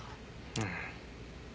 うん。